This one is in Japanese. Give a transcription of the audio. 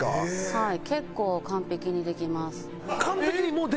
はい。